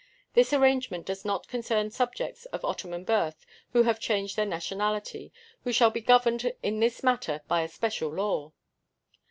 This arrangement does not concern subjects of Ottoman birth who have changed their nationality, who shall be governed in this matter by a special law.